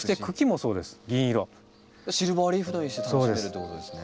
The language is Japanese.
シルバーリーフのようにして楽しめるということですね。